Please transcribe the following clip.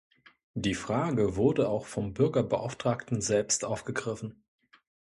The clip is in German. Die Frage wurde auch vom Bürgerbeauftragten selbst aufgegriffen.